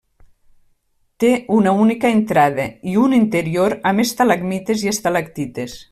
Té una única entrada i un interior amb estalagmites i estalactites.